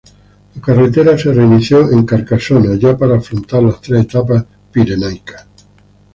La carrera se reinició en Carcasona ya para afrontar las tres etapas pirenaicas.